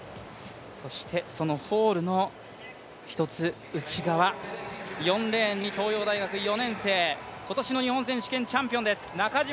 そしてそのホールの１つ内側４レーンに東洋大学４年生、今年の日本選手権チャンピオンです中島